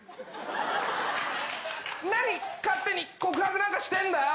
何、勝手に告白なんかしてんだよ。